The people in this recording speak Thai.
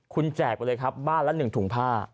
คุณแจกไปเลยครับบ้านละ๑ถุงผ้า